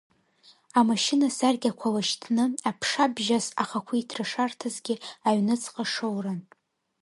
Амашьына саркьақәа лашьҭны, аԥша бжьас ахақәиҭра шарҭазгьы, аҩныҵҟа шоуран.